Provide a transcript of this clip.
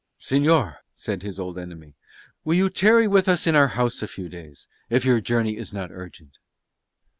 "Señor," said his old enemy, "will you tarry with us, in our house a few days, if your journey is not urgent?"